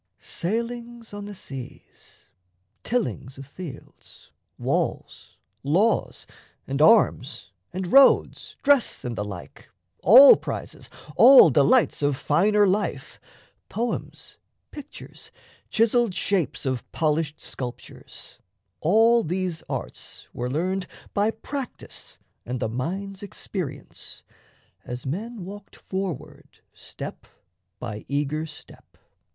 Sailings on the seas, Tillings of fields, walls, laws, and arms, and roads, Dress and the like, all prizes, all delights Of finer life, poems, pictures, chiselled shapes Of polished sculptures all these arts were learned By practice and the mind's experience, As men walked forward step by eager step.